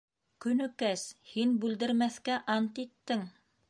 Көнөкәс, һин бүлдермәҫкә ант иттең!